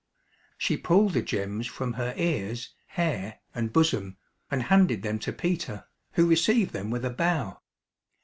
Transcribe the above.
She pulled the gems from her ears, hair, and bosom, and handed them to Peter, who received them with a bow.